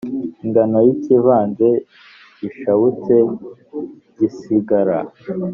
ingano y ikivanze gishabutse gisigara